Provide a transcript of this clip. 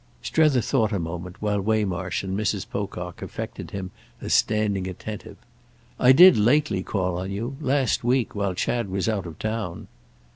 Strether thought a moment while Waymarsh and Mrs. Pocock affected him as standing attentive. "I did lately call on you. Last week—while Chad was out of town."